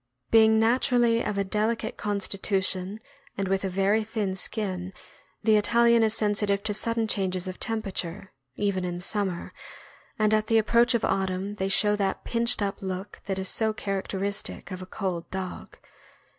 Being naturally of a delicate constitution and with a very thin skin, the Italian is sensitive to sudden changes of tem perature, even in summer, and at the approach of autumn they show that "pinched up" look that is so character istic, of a cold dog.